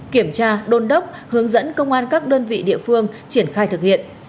kiểm tra đôn đốc hướng dẫn công an các đơn vị địa phương triển khai thực hiện